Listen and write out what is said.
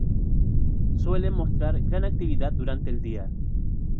Suelen mostrar gran actividad durante el día.